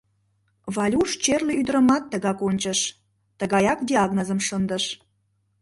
Валюш черле ӱдырымат тыгак ончыш, тыгаяк диагнозым шындыш.